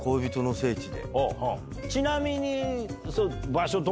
ちなみに。